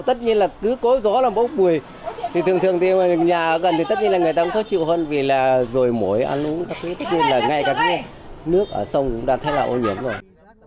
tất nhiên là cứ có gió là bốc mùi thì thường thường nhà gần thì tất nhiên là người ta cũng có chịu hơn vì là rồi mỗi ăn uống tất nhiên là ngay cả nước ở sông cũng đang thấy là ổn nhiễm rồi